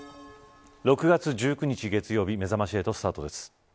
６月１９日月曜日めざまし８スタートです。